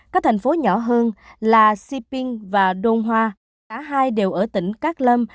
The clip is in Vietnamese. các thành phố nhỏ hơn là siping và đôn hoa cả hai đều ở tỉnh cát lâm